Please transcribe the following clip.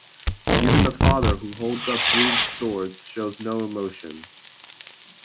Even the father, who holds up three swords, shows no emotion.